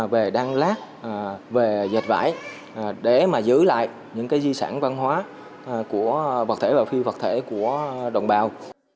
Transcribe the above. về đăng lát về dạch vải để mà giữ lại những cái di sản văn hóa của vật thể và phi vật thể của đồng bào